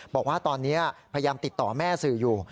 บอกว่าตอนนี้พยายามติดต่อแม่สื่ออยู่